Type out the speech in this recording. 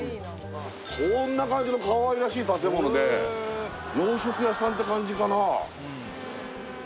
こんな感じのかわいらしい建物で洋食屋さんって感じかな？